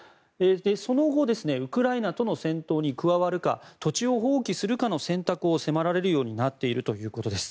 その後、ウクライナとの戦闘に加わるか土地を放棄するかの選択を迫られるようになっているということです。